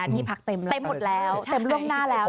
ที่พักเต็มแล้วเต็มหมดแล้วเต็มล่วงหน้าแล้ว